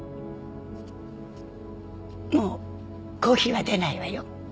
もうコーヒーは出ないわよ。